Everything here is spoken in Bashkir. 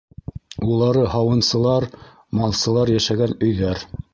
Улары һауынсылар, малсылар йәшәгән өйҙәр.